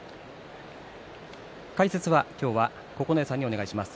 解説は今日は九重さんにお願いします。